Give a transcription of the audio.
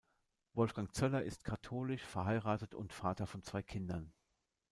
Wolfgang Zöller ist katholisch, verheiratet und Vater von zwei Kindern.